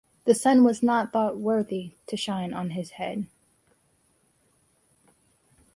The sun is not thought worthy to shine on his head.